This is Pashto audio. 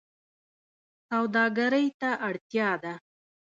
سوداګرۍ ته اړتیا ده